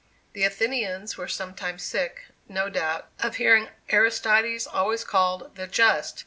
The Athenians were sometimes sick, no doubt, of hearing Aristides always called "the Just."